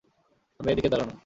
আমি এদিকে দাঁড়ানো।